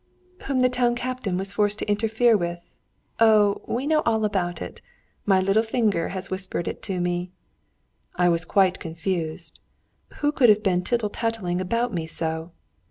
"Whom the Town Captain was forced to interfere with? Oh, we know all about it! My little finger has whispered it to me." I was quite confused. Who could have been tittle tattling about me so?